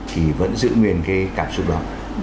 thì vẫn giữ nguyên cái cảm xúc đó